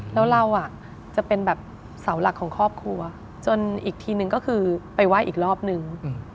แล้วเราจะเป็นแบบเสาหลักของครอบครัวจนอีกทีนึงก็คือไปไหว้อีกรอบนึง